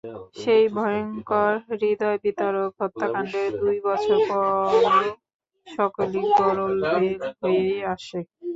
সেই ভয়ংকর হূদয়বিদারক হত্যাকাণ্ডের দুই বছর পরও সকলই গরল ভেল হয়েই আছে।